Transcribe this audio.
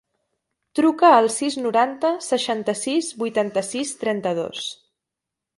Truca al sis, noranta, seixanta-sis, vuitanta-sis, trenta-dos.